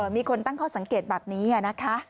มีคนตั้งข้อสังเกตแบบนี้นะคะ